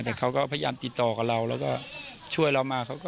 แต่เขาก็พยายามติดต่อกับเราแล้วก็ช่วยเรามา